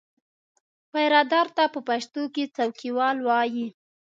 پیرهدار ته په پښتو کې څوکیوال وایي.